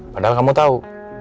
padahal kamu tahu